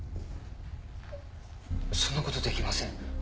そんなことできません。